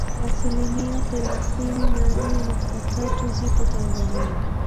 asilimia thelathini na nne nukta tatu zipo Tanzania